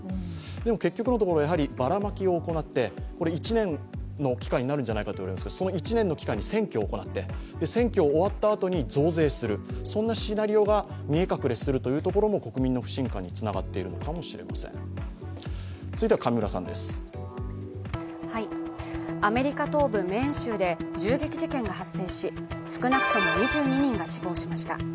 でも結局のところばらまきを行ってこれは１年の期間になるんじゃないかと言われていますがその１年の期間に選挙を行って、選挙が終わったあとに増税する、そんなシナリオが見え隠れするところも国民の不信感につながっているかもしれませんアメリカ東部メーン州で銃撃事件が発生し少なくとも２２人が死亡しました。